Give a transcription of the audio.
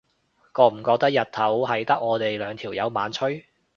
覺唔覺日頭係得我哋兩條友猛吹？